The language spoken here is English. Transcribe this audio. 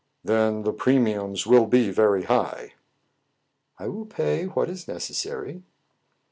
"Then the premiums will be very high." " I will pay what is necessary."